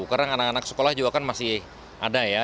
karena anak anak sekolah juga kan masih ada ya